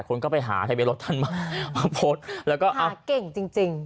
คนก็ไปหาทะเบียนรถท่านมาพบหากเก่งจริง